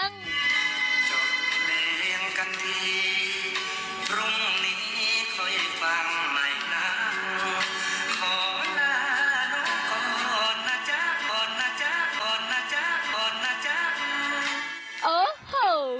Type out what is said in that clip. น้ำน้ำน้ำน้ำน้ำน้ำ